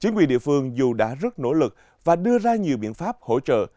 chính quyền địa phương dù đã rất nỗ lực và đưa ra nhiều biện pháp hỗ trợ